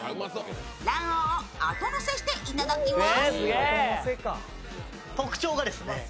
卵黄をあとのせしていただきます。